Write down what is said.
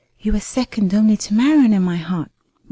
You are second only to Marian in my heart.